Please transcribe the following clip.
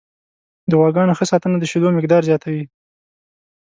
د غواګانو ښه ساتنه د شیدو مقدار زیاتوي.